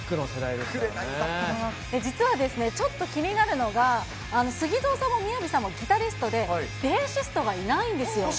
実は、ちょっと気になるのが、スギゾーさんもミヤビさんもギタリストで、ベーシストがいないんですよ。